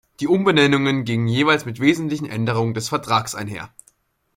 Die Umbenennungen gingen jeweils mit wesentlichen Änderungen des Vertrags einher.